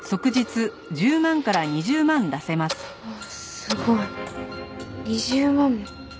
すごい２０万も？